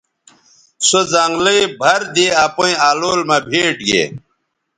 سو زنگلئ بَھر دے اپئیں الول مہ بھیٹ گے